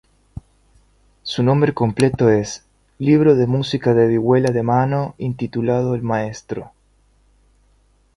Su nombre completo es "Libro de música de vihuela de mano intitulado El Maestro".